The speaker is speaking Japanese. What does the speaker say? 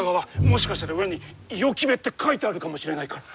もしかしたら裏に「五百旗頭」って書いてあるかもしれないから。